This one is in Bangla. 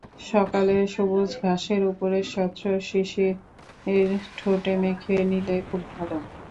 সকালের সবুজ ঘাসের ওপরের স্বচ্ছ শিশির ঠোঁটে মেখে নিলে খুব ভালো।